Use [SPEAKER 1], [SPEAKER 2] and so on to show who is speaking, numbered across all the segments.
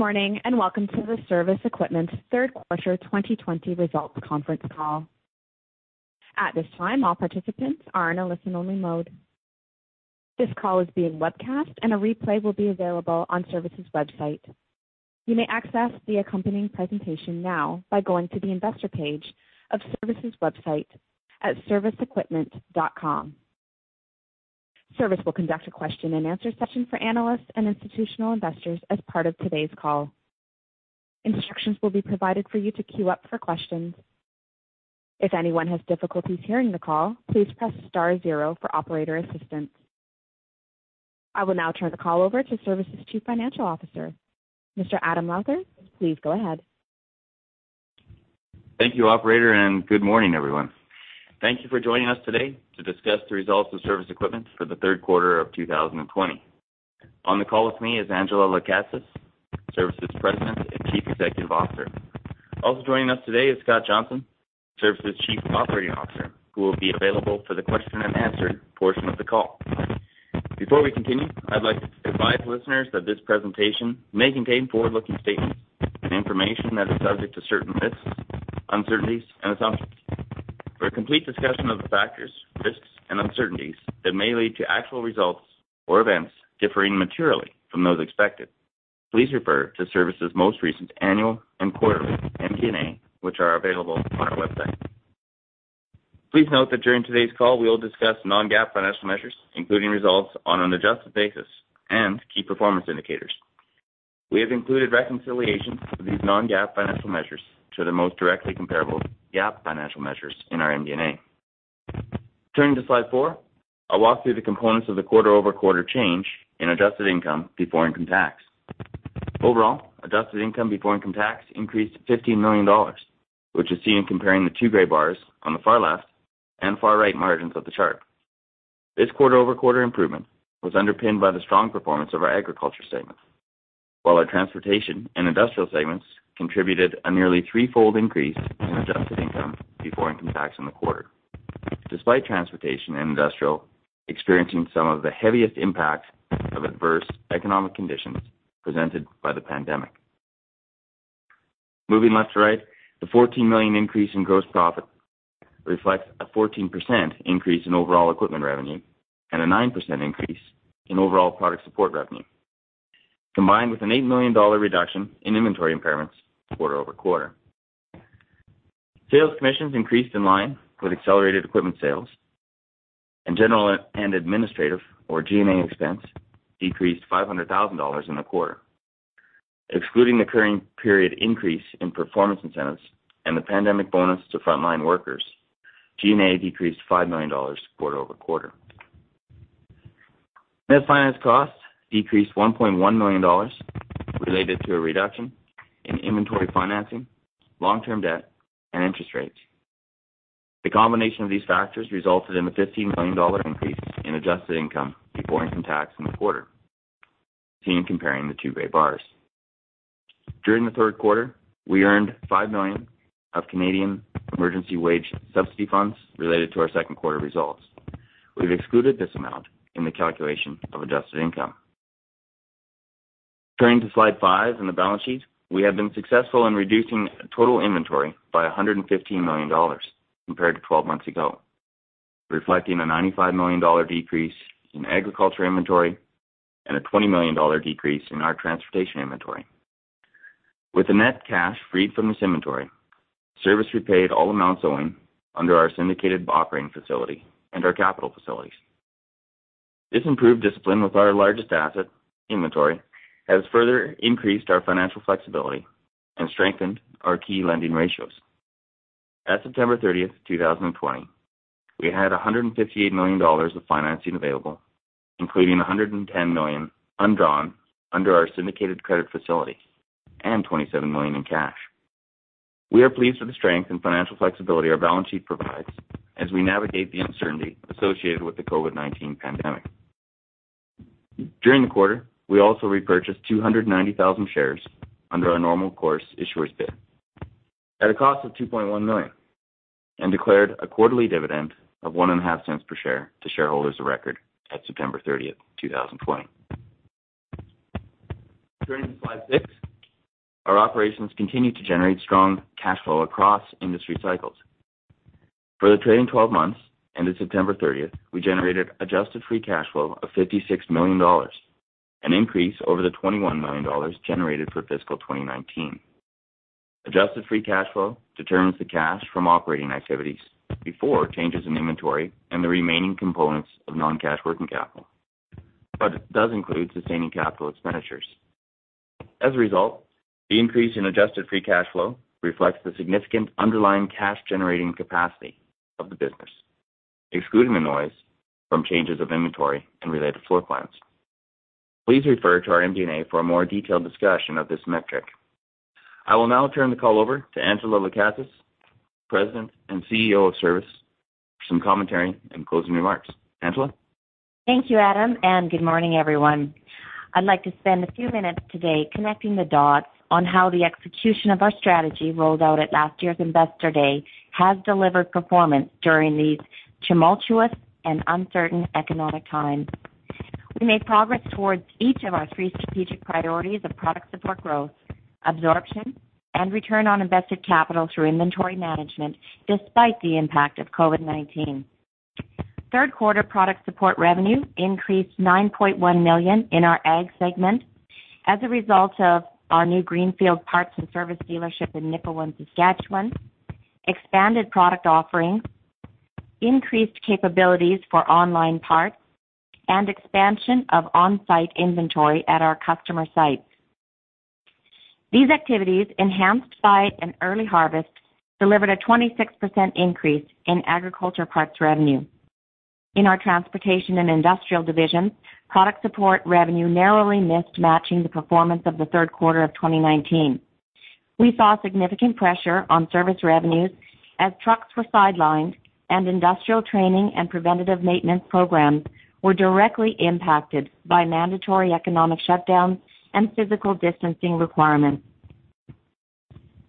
[SPEAKER 1] Good morning, and welcome to the Cervus Equipment's third quarter 2020 results conference call. At this time, all participants are in a listen-only mode. This call is being webcast, and a replay will be available on Cervus's website. You may access the accompanying presentation now by going to the Investor page of Cervus's website at cervusequipment.com. Cervus will conduct a question-and-answer session for analysts and institutional investors as part of today's call. Instructions will be provided for you to queue up for questions. If anyone has difficulties hearing the call, please press star zero for operator assistance. I will now turn the call over to Cervus's Chief Financial Officer, Mr. Adam Lowther. Please go ahead.
[SPEAKER 2] Thank you, operator. Good morning, everyone. Thank you for joining us today to discuss the results of Cervus Equipment for the third quarter of 2020. On the call with me is Angela Lekatsas, Cervus's President and Chief Executive Officer. Also joining us today is Scott Johnston, Cervus's Chief Operating Officer, who will be available for the question-and-answer portion of the call. Before we continue, I'd like to advise listeners that this presentation may contain forward-looking statements and information that is subject to certain risks, uncertainties, and assumptions. For a complete discussion of the factors, risks, and uncertainties that may lead to actual results or events differing materially from those expected, please refer to Cervus's most recent annual and quarterly MD&A, which are available on our website. Please note that during today's call, we will discuss non-GAAP financial measures, including results on an adjusted basis and key performance indicators. We have included reconciliations of these non-GAAP financial measures to the most directly comparable GAAP financial measures in our MD&A. Turning to slide 4, I'll walk through the components of the quarter-over-quarter change in adjusted income before income tax. Overall, adjusted income before income tax increased 15 million dollars, which is seen in comparing the two gray bars on the far left and far right margins of the chart. This quarter-over-quarter improvement was underpinned by the strong performance of our Agriculture segment, while our Transportation and Industrial segments contributed a nearly threefold increase in adjusted income before income tax in the quarter despite transportation and industrial experiencing some of the heaviest impacts of adverse economic conditions presented by the pandemic. Moving left to right, the 14 million increase in gross profit reflects a 14% increase in overall equipment revenue and a 9% increase in overall product support revenue, combined with an 8 million dollar reduction in inventory impairments quarter-over-quarter. Sales commissions increased in line with accelerated equipment sales and general and administrative or G&A expense decreased 500,000 dollars in the quarter. Excluding the current period increase in performance incentives and the pandemic bonus to frontline workers, G&A decreased 5 million dollars quarter-over-quarter. Net finance costs decreased 1.1 million dollars related to a reduction in inventory financing, long-term debt, and interest rates. The combination of these factors resulted in a 15 million dollar increase in adjusted income before income tax in the quarter, seen comparing the two gray bars. During the third quarter, we earned 5 million of Canada Emergency Wage Subsidy funds related to our second quarter results. We've excluded this amount in the calculation of adjusted income. Turning to slide 5 and the balance sheet. We have been successful in reducing total inventory by 115 million dollars compared to 12 months ago, reflecting a 95 million dollar decrease in agriculture inventory and a 20 million dollar decrease in our transportation inventory. With the net cash freed from this inventory, Cervus repaid all amounts owing under our syndicated operating facility and our capital facilities. This improved discipline with our largest asset, inventory, has further increased our financial flexibility and strengthened our key lending ratios. At September 30th, 2020, we had 158 million dollars of financing available, including 110 million undrawn under our syndicated credit facility and 27 million in cash. We are pleased with the strength and financial flexibility our balance sheet provides as we navigate the uncertainty associated with the COVID-19 pandemic. During the quarter, we also repurchased 290,000 shares under our Normal Course Issuer Bid at a cost of 2.1 million and declared a quarterly dividend of 0.015 per share to shareholders of record at September 30th, 2020. Turning to slide 6. Our operations continue to generate strong cash flow across industry cycles. For the trailing 12 months ended September 30th, we generated adjusted free cash flow of 56 million dollars, an increase over the 21 million dollars generated for fiscal 2019. Adjusted free cash flow determines the cash from operating activities before changes in inventory and the remaining components of non-cash working capital, but it does include sustaining capital expenditures. As a result, the increase in adjusted free cash flow reflects the significant underlying cash-generating capacity of the business, excluding the noise from changes of inventory and related floor plans. Please refer to our MD&A for a more detailed discussion of this metric. I will now turn the call over to Angela Lekatsas, President and CEO of Cervus, for some commentary and closing remarks. Angela?
[SPEAKER 3] Thank you, Adam, and good morning, everyone. I'd like to spend a few minutes today connecting the dots on how the execution of our strategy rolled out at last year's Investor Day has delivered performance during these tumultuous and uncertain economic times. We made progress towards each of our three strategic priorities of product support growth, absorption, and return on invested capital through inventory management despite the impact of COVID-19. Third quarter product support revenue increased 9.1 million in our Ag segment as a result of our new greenfield parts and service dealership in Nipawin, Saskatchewan, expanded product offerings, increased capabilities for online parts, and expansion of on-site inventory at our customer sites. These activities, enhanced by an early harvest, delivered a 26% increase in agriculture parts revenue. In our Transportation and Industrial division, product support revenue narrowly missed matching the performance of the third quarter of 2019. We saw significant pressure on service revenues as trucks were sidelined and industrial training and preventative maintenance programs were directly impacted by mandatory economic shutdowns and physical distancing requirements.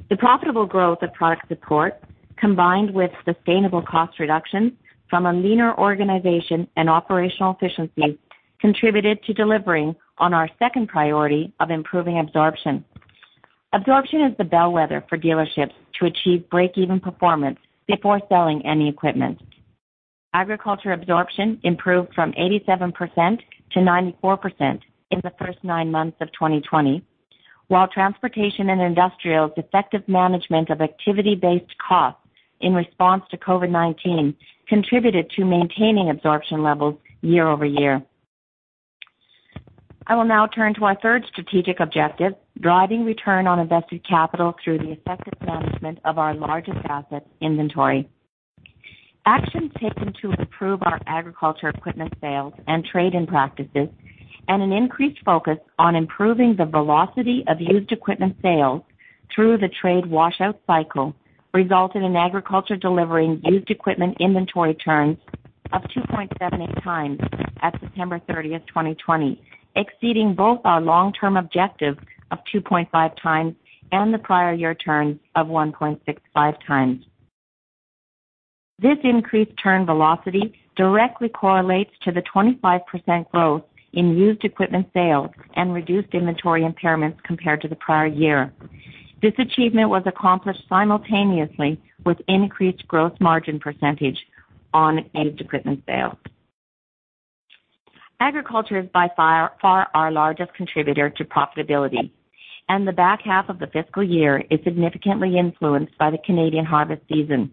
[SPEAKER 3] The profitable growth of product support, combined with sustainable cost reductions from a leaner organization and operational efficiency, contributed to delivering on our second priority of improving absorption. Absorption is the bellwether for dealerships to achieve break-even performance before selling any equipment. Agriculture absorption improved from 87% to 94% in the first nine months of 2020, while transportation and industrial's effective management of activity-based costs in response to COVID-19 contributed to maintaining absorption levels year-over-year. I will now turn to our third strategic objective, driving return on invested capital through the effective management of our largest asset, inventory. Actions taken to improve our agriculture equipment sales and trade-in practices and an increased focus on improving the velocity of used equipment sales through the trade washout cycle resulted in agriculture delivering used equipment inventory turns of 2.78x at September 30th, 2020, exceeding both our long-term objective of 2.5x and the prior year turns of 1.65x. This increased turn velocity directly correlates to the 25% growth in used equipment sales and reduced inventory impairments compared to the prior year. This achievement was accomplished simultaneously with increased gross margin percentage on used equipment sales. Agriculture is by far our largest contributor to profitability, and the back half of the fiscal year is significantly influenced by the Canadian harvest season.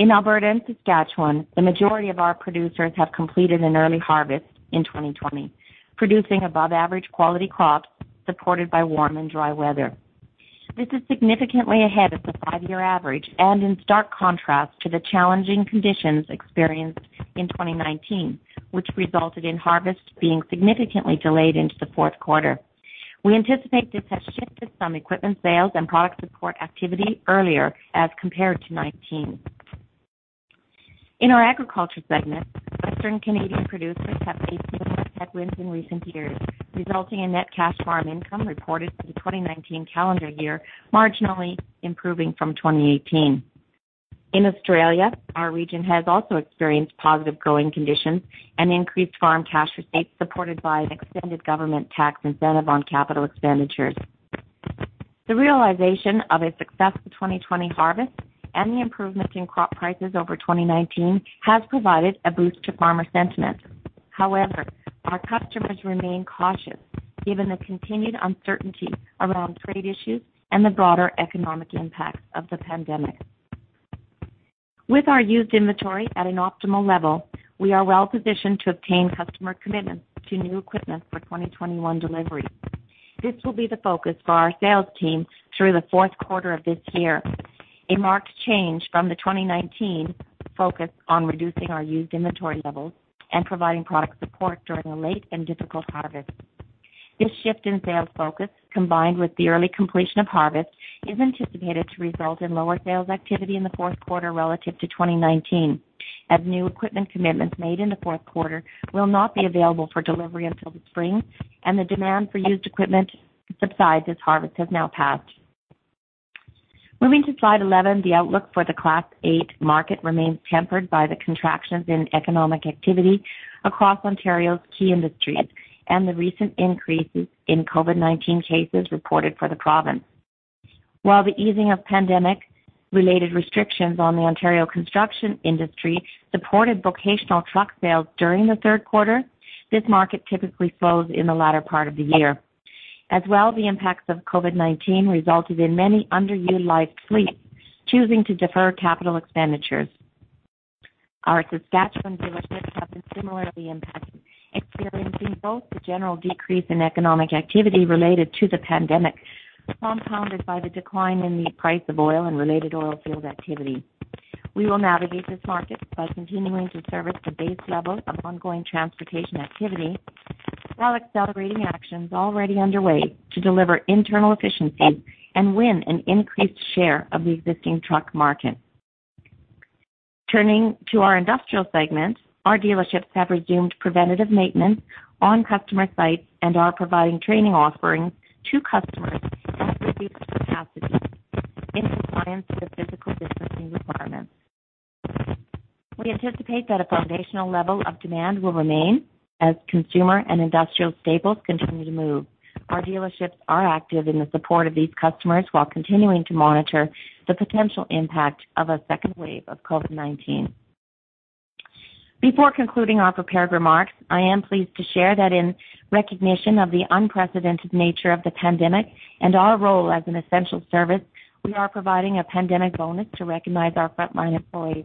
[SPEAKER 3] In Alberta and Saskatchewan, the majority of our producers have completed an early harvest in 2020, producing above average quality crops supported by warm and dry weather. This is significantly ahead of the five-year average and in stark contrast to the challenging conditions experienced in 2019, which resulted in harvest being significantly delayed into the fourth quarter. We anticipate this has shifted some equipment sales and product support activity earlier as compared to 2019. In our Agriculture segment, Western Canadian producers have faced some headwinds in recent years, resulting in net cash farm income reported for the 2019 calendar year marginally improving from 2018. In Australia, our region has also experienced positive growing conditions and increased farm cash receipts supported by an extended government tax incentive on capital expenditures. The realization of a successful 2020 harvest and the improvement in crop prices over 2019 has provided a boost to farmer sentiment. However, our customers remain cautious given the continued uncertainty around trade issues and the broader economic impacts of the pandemic. With our used inventory at an optimal level, we are well positioned to obtain customer commitments to new equipment for 2021 delivery. This will be the focus for our sales team through the fourth quarter of this year, a marked change from the 2019 focus on reducing our used inventory levels and providing product support during a late and difficult harvest. This shift in sales focus, combined with the early completion of harvest, is anticipated to result in lower sales activity in the fourth quarter relative to 2019 as new equipment commitments made in the fourth quarter will not be available for delivery until the spring and the demand for used equipment subsides as harvest has now passed. Moving to slide 11, the outlook for the Class 8 market remains tempered by the contractions in economic activity across Ontario's key industries and the recent increases in COVID-19 cases reported for the province. While the easing of pandemic-related restrictions on the Ontario construction industry supported vocational truck sales during the third quarter, this market typically slows in the latter part of the year. As well as the impacts of COVID-19 resulted in many underutilized fleets choosing to defer capital expenditures. Our Saskatchewan dealerships have been similarly impacted, experiencing both the general decrease in economic activity related to the pandemic, compounded by the decline in the price of oil and related oil field activity. We will navigate this market by continuing to service the base level of ongoing transportation activity while accelerating actions already underway to deliver internal efficiencies and win an increased share of the existing truck market. Turning to our Industrial segment, our dealerships have resumed preventative maintenance on customer sites and are providing training offerings to customers at reduced capacity in compliance with physical distancing requirements. We anticipate that a foundational level of demand will remain as consumer and industrial staples continue to move. Our dealerships are active in the support of these customers while continuing to monitor the potential impact of a second wave of COVID-19. Before concluding our prepared remarks, I am pleased to share that in recognition of the unprecedented nature of the pandemic and our role as an essential service, we are providing a pandemic bonus to recognize our frontline employees.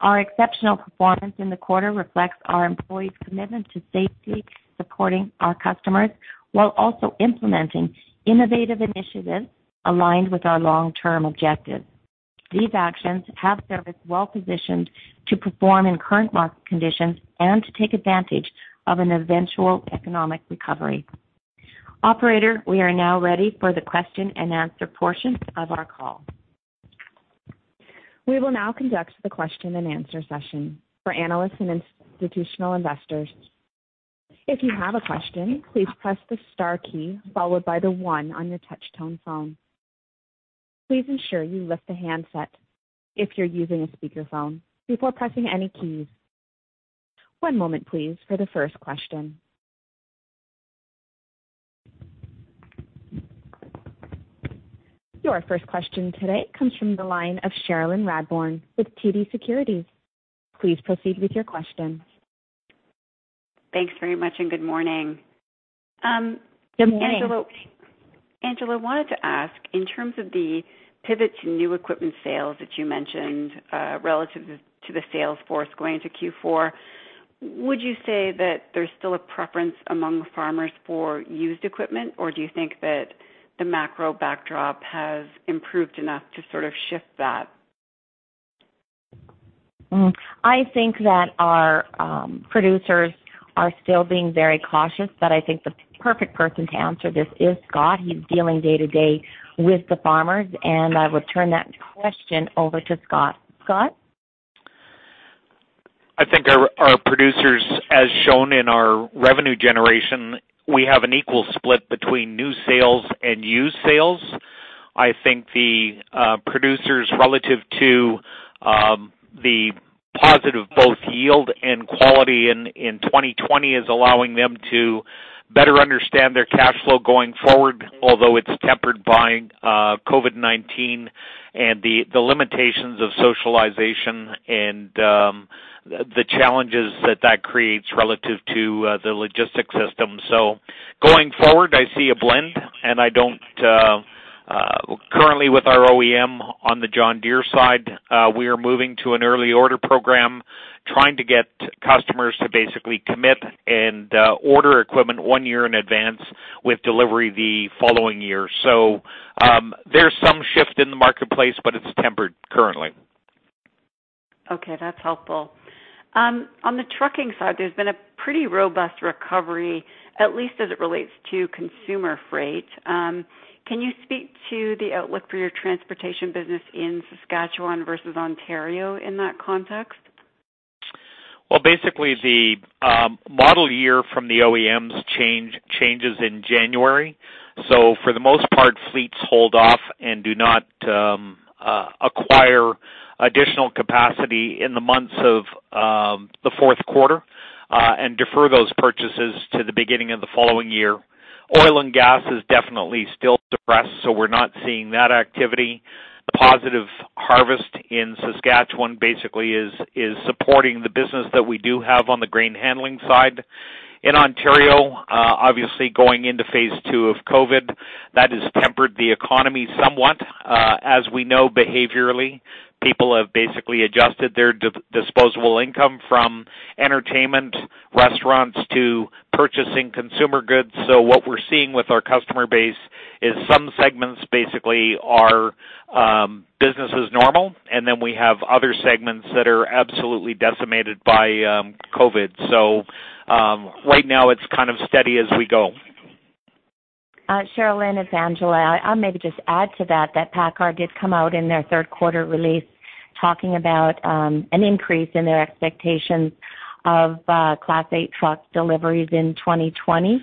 [SPEAKER 3] Our exceptional performance in the quarter reflects our employees' commitment to safety, supporting our customers, while also implementing innovative initiatives aligned with our long-term objectives. These actions have Cervus well positioned to perform in current market conditions and to take advantage of an eventual economic recovery. Operator, we are now ready for the question-and-answer portion of our call.
[SPEAKER 1] We will now conduct the question-and-answer session. For analysts and institutional investors, if you have a question, please press the star key followed by the one on your touchtone phone. Please ensure you lift the handset if you're using a speakerphone before pressing any key. One moment please for the first question. Your first question today comes from the line of Cherilyn Radbourne with TD Securities. Please proceed with your question.
[SPEAKER 4] Thanks very much. Good morning.
[SPEAKER 3] Good morning.
[SPEAKER 4] Angela, I wanted to ask, in terms of the pivot to new equipment sales that you mentioned, relative to the sales force going into Q4, would you say that there's still a preference among farmers for used equipment, or do you think that the macro backdrop has improved enough to sort of shift that?
[SPEAKER 3] I think that our producers are still being very cautious, but I think the perfect person to answer this is Scott. He's dealing day-to-day with the farmers, and I would turn that question over to Scott. Scott?
[SPEAKER 5] I think our producers, as shown in our revenue generation, we have an equal split between new sales and used sales. I think the producers relative to the positive both yield and quality in 2020 is allowing them to better understand their cash flow going forward, although it's tempered by COVID-19 and the limitations of socialization and the challenges that that creates relative to the logistics system. Going forward, I see a blend, and I don't currently with our OEM on the John Deere side, we are moving to an Early Order Program, trying to get customers to basically commit and order equipment one year in advance with delivery the following year. There's some shift in the marketplace, but it's tempered currently.
[SPEAKER 4] Okay, that's helpful. On the trucking side, there's been a pretty robust recovery, at least as it relates to consumer freight. Can you speak to the outlook for your transportation business in Saskatchewan versus Ontario in that context?
[SPEAKER 5] Well, basically the model year from the OEMs changes in January. For the most part, fleets hold off and do not acquire additional capacity in the months of the fourth quarter and defer those purchases to the beginning of the following year. Oil and gas is definitely still depressed, so we're not seeing that activity. The positive harvest in Saskatchewan basically is supporting the business that we do have on the grain handling side. In Ontario, obviously going into phase two of COVID-19, that has tempered the economy somewhat. As we know behaviorally, people have basically adjusted their disposable income from entertainment, restaurants to purchasing consumer goods. What we're seeing with our customer base is some segments basically are business as normal, and then we have other segments that are absolutely decimated by COVID-19. Right now it's kind of steady as we go.
[SPEAKER 3] Cherilyn, it's Angela. I'll maybe just add to that PACCAR did come out in their third quarter release talking about an increase in their expectations of Class 8 truck deliveries in 2020.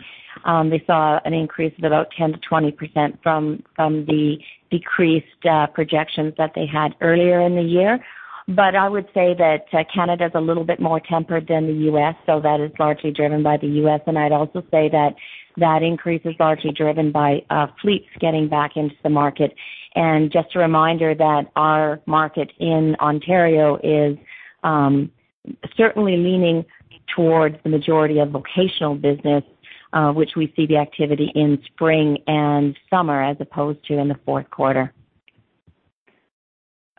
[SPEAKER 3] They saw an increase of about 10%-20% from the decreased projections that they had earlier in the year. I would say that Canada's a little bit more tempered than the U.S., so that is largely driven by the U.S. I'd also say that that increase is largely driven by fleets getting back into the market. Just a reminder that our market in Ontario is certainly leaning towards the majority of vocational business, which we see the activity in spring and summer as opposed to in the fourth quarter.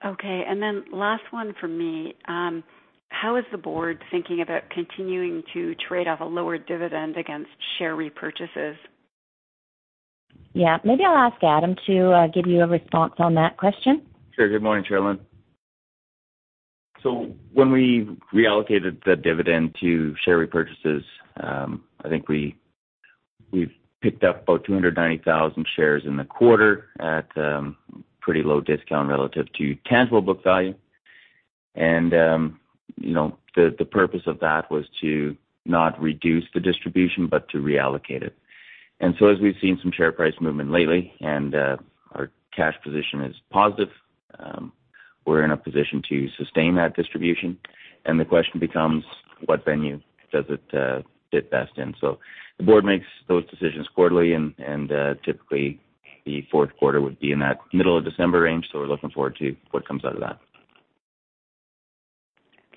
[SPEAKER 4] Okay, last one for me. How is the Board thinking about continuing to trade off a lower dividend against share repurchases?
[SPEAKER 3] Yeah. Maybe I'll ask Adam to give you a response on that question.
[SPEAKER 2] Sure. Good morning, Cherilyn. When we reallocated the dividend to share repurchases, I think we've picked up about 290,000 shares in the quarter at pretty low discount relative to tangible book value. You know, the purpose of that was to not reduce the distribution but to reallocate it. As we've seen some share price movement lately and our cash position is positive, we're in a position to sustain that distribution. The question becomes: What venue does it fit best in? The Board makes those decisions quarterly and typically the fourth quarter would be in that middle of December range, so we're looking forward to what comes out of that.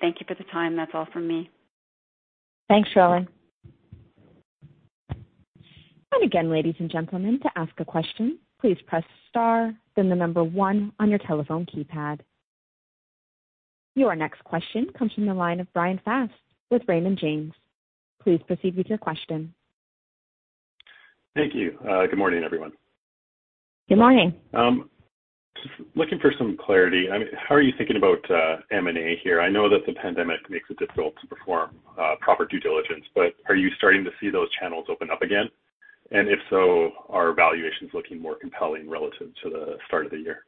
[SPEAKER 4] Thank you for the time. That's all from me.
[SPEAKER 3] Thanks, Cherilyn.
[SPEAKER 1] Ang again, ladies and gentlemen, to ask a question, please press star then the number one on your telephone keypad. Your next question comes from the line of Bryan Fast with Raymond James. Please proceed with your question.
[SPEAKER 6] Thank you. Good morning, everyone.
[SPEAKER 3] Good morning.
[SPEAKER 6] Just looking for some clarity. I mean, how are you thinking about M&A here? I know that the pandemic makes it difficult to perform proper due diligence, but are you starting to see those channels open up again? If so, are valuations looking more compelling relative to the start of the year?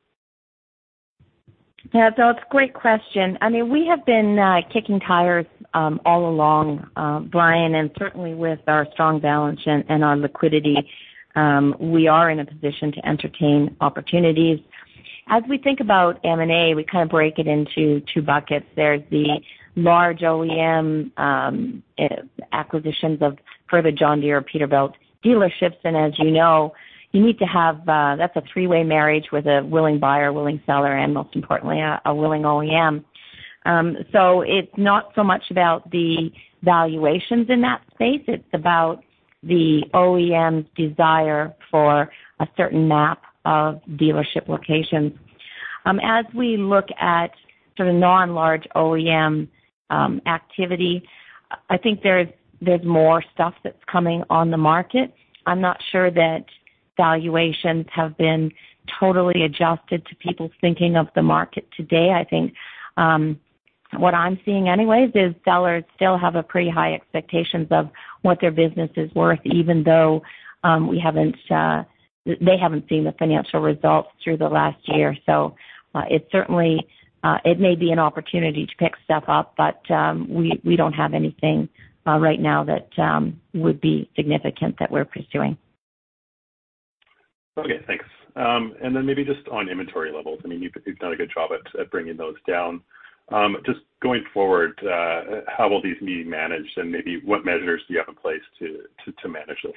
[SPEAKER 3] Yeah. It's a great question. I mean, we have been kicking tires all along, Bryan, and certainly with our strong balance and on liquidity, we are in a position to entertain opportunities. As we think about M&A, we kind of break it into two buckets. There's the large OEM acquisitions of further John Deere, Peterbilt dealerships. As you know, you need to have a, that's a three-way marriage with a willing buyer, willing seller, and most importantly, a willing OEM. It's not so much about the valuations in that space. It's about the OEM's desire for a certain map of dealership locations. As we look at sort of non-large OEM activity, I think there's more stuff that's coming on the market. I'm not sure that valuations have been totally adjusted to people's thinking of the market today. I think, what I'm seeing anyways is sellers still have a pretty high expectations of what their business is worth, even though we haven't, they haven't seen the financial results through the last year. It certainly, it may be an opportunity to pick stuff up, but we don't have anything right now that would be significant that we're pursuing.
[SPEAKER 6] Okay, thanks. Maybe just on inventory levels, I mean, you've done a good job at bringing those down. Just going forward, how will these be managed? What measures do you have in place to manage this?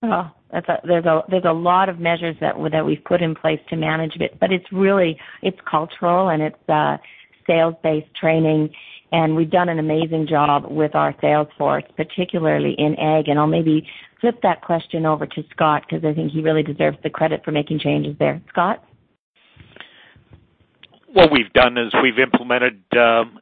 [SPEAKER 3] Well, there's a lot of measures that we've put in place to manage it, but it's really, it's cultural and it's sales-based training. We've done an amazing job with our sales force, particularly in ag. I'll maybe flip that question over to Scott 'cause I think he really deserves the credit for making changes there. Scott?
[SPEAKER 5] What we've done is we've implemented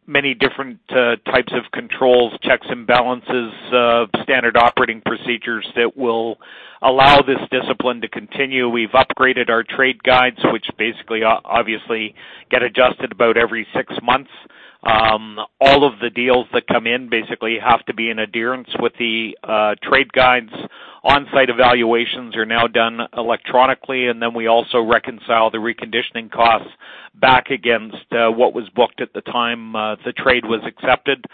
[SPEAKER 5] many different types of controls, checks and balances of standard operating procedures that will allow this discipline to continue. We've upgraded our trade guides, which basically obviously get adjusted about every six months. All of the deals that come in basically have to be in adherence with the trade guides. On-site evaluations are now done electronically. We also reconcile the reconditioning costs back against what was booked at the time the trade was accepted.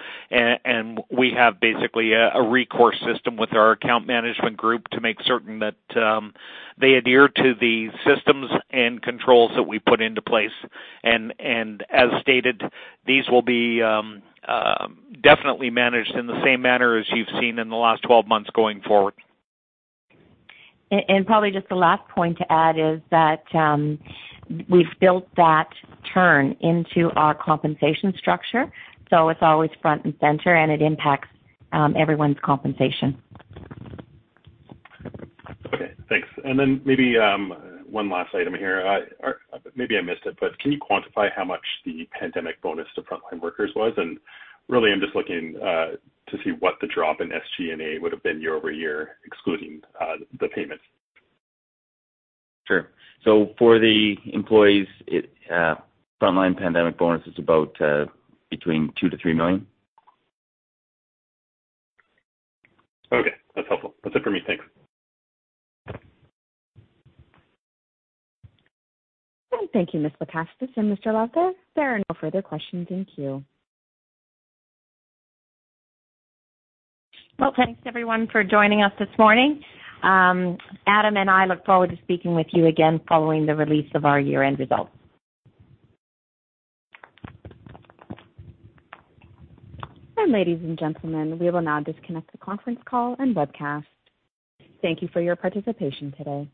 [SPEAKER 5] We have basically a recourse system with our account management group to make certain that they adhere to the systems and controls that we put into place. As stated, these will be definitely managed in the same manner as you've seen in the last 12 months going forward.
[SPEAKER 3] Probably just the last point to add is that, we've built that turn into our compensation structure, so it's always front and center, and it impacts everyone's compensation.
[SPEAKER 6] Okay, thanks. Maybe one last item here. I, or maybe I missed it, but can you quantify how much the pandemic bonus to frontline workers was? Really, I'm just looking to see what the drop in SG&A would have been year-over-year, excluding the payments.
[SPEAKER 2] Sure. For the employees, frontline pandemic bonus is about between 2 million-3 million.
[SPEAKER 6] Okay, that's helpful. That's it for me. Thanks.
[SPEAKER 1] Thank you, Mr. Fast and Ms. Radbourne. There are no further questions in queue.
[SPEAKER 3] Well, thanks, everyone, for joining us this morning. Adam and I look forward to speaking with you again following the release of our year-end results.
[SPEAKER 1] Ladies and gentlemen, we will now disconnect the conference call and webcast. Thank you for your participation today.